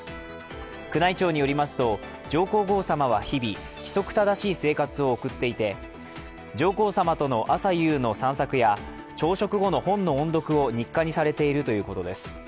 宮内庁によりますと、上皇后さまは日々規則正しい生活を送っていて上皇さまとの朝夕の散策や朝食後の本の音読を日課にされているということです。